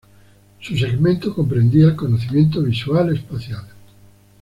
Su segmento comprendía del conocimiento visual-espacial.